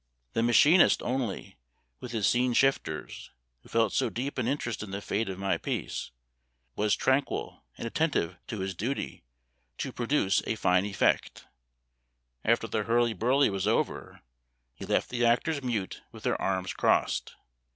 The machinist only, with his scene shifters, who felt so deep an interest in the fate of my piece, was tranquil and attentive to his duty, to produce a fine effect. After the hurly burly was over, he left the actors mute with their arms crossed.